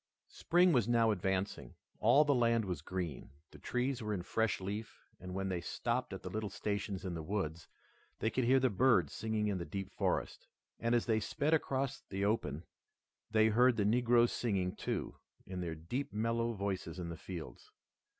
Spring was now advancing. All the land was green. The trees were in fresh leaf, and when they stopped at the little stations in the woods, they could hear the birds singing in the deep forest. And as they sped across the open they heard the negroes singing, too, in their deep mellow voices in the fields.